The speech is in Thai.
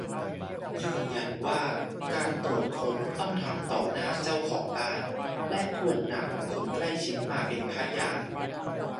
ยืนยันว่าการตรวจค้นต้องทำต่อหน้าเจ้าของบ้าน และควรนำคนใกล้ชิดมาเป็นพยาน